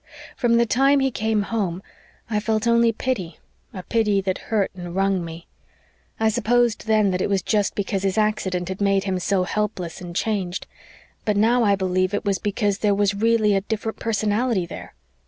From the time he came home I felt only pity a pity that hurt and wrung me. I supposed then that it was just because his accident had made him so helpless and changed. But now I believe it was because there was really a different personality there.